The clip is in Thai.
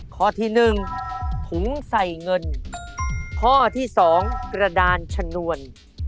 ข้อที่หนึ่งถุงใส่เงินข้อที่สองกระดานชนวน